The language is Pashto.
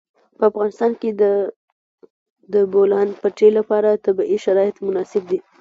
په افغانستان کې د د بولان پټي لپاره طبیعي شرایط مناسب دي.